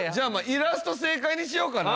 イラスト正解にしようかな